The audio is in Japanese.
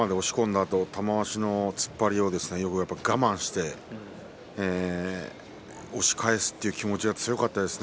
あと玉鷲の突っ張りを我慢して押し返すという気持ちが強かったですね。